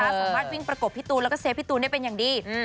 สามารถวิ่งประกบพี่ตูนแล้วก็เฟฟพี่ตูนได้เป็นอย่างดี